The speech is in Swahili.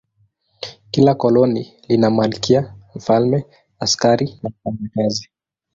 Kila koloni lina malkia, mfalme, askari na wafanyakazi.